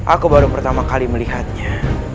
aku baru pertama kali melihatnya